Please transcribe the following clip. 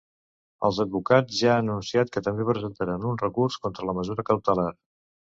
Els advocats ja han anunciat que també presentaran un recurs contra la mesura cautelar.